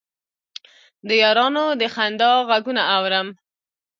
د یارانو د خندا غـــــــــــــــــږونه اورم